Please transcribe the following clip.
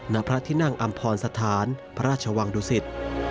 ณพระที่นั่งอำพรสถานพระราชวังดุสิต